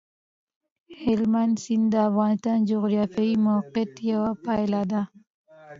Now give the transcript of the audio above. هلمند سیند د افغانستان د جغرافیایي موقیعت یوه پایله ده.